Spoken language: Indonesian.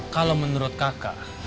kalau menurut kakak